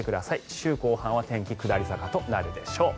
週後半は天気下り坂となるでしょう。